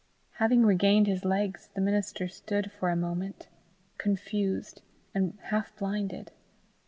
Having regained his legs, the minister stood for a moment, confused and half blinded.